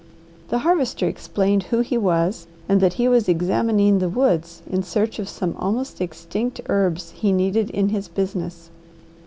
The Harvester explained who he was and that he was examining the woods in search of some almost extinct herbs he needed in his business.